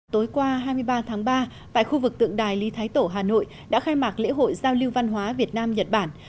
tối qua hai mươi ba tháng ba tại khu vực tượng đài lý thái tổ hà nội đã khai mạc lễ hội giao lưu văn hóa việt nam nhật bản